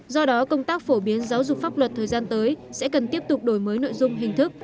do đó công tác phổ biến giáo dục pháp luật thời gian tới sẽ cần tiếp tục đổi mới nội dung hình thức